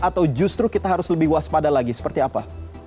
atau justru kita harus lebih waspada lagi seperti apa